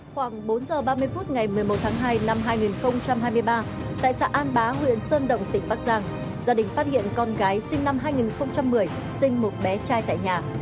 khoảng bốn h ba mươi phút ngày một mươi một tháng hai năm hai nghìn hai mươi ba tại xã an bá huyện sơn động tỉnh bắc giang gia đình phát hiện con gái sinh năm hai nghìn một mươi sinh một bé trai tại nhà